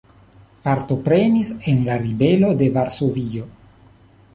Partoprenis en la ribelo de Varsovio.